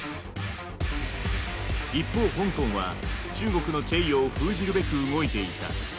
一方香港は中国のチェイヨーを封じるべく動いていた。